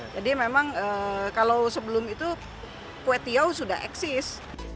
jadi memang kalau sebelum itu kue tiaw sudah eksis